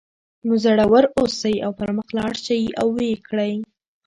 نو زړور اوسئ او پر مخ لاړ شئ او ویې کړئ